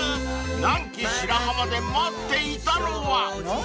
［南紀白浜で待っていたのは］